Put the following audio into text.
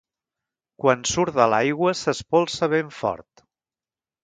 Quan surt de l'aigua, s'espolsa ben fort.